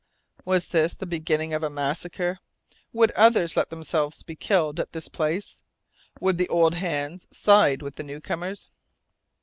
Was this the beginning of a massacre? Would others let themselves be killed at this place? Would the old hands side with the new comers?